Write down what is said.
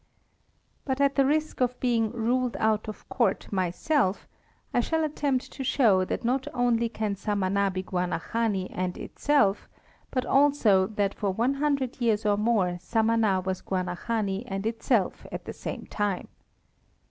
But at the risk of being "ruled out of court" myself, I shall attempt to show that not only can Samana be Guanahani and itself, but also that for one hundred years or more Samana was Guanahani and itself at the same time.